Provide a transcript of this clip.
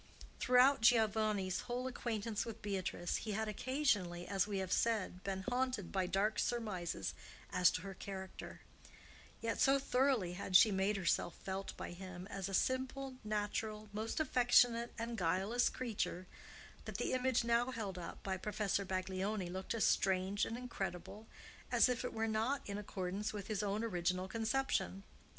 Throughout Giovanni's whole acquaintance with Beatrice, he had occasionally, as we have said, been haunted by dark surmises as to her character; yet so thoroughly had she made herself felt by him as a simple, natural, most affectionate, and guileless creature, that the image now held up by Professor Baglioni looked as strange and incredible as if it were not in accordance with his own original conception.